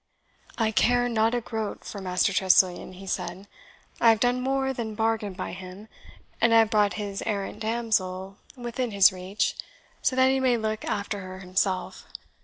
"I care not a groat for Master Tressilian," he said; "I have done more than bargain by him, and I have brought his errant damosel within his reach, so that he may look after her himself.